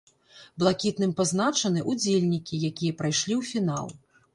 Блакітным пазначаны удзельнікі, якія прайшлі ў фінал.